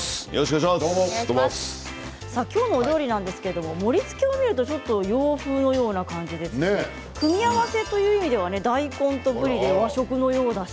きょうのお料理ですが盛りつけを見るとちょっと洋風のような感じですが組み合わせという意味では大根とぶりで和食のようだし。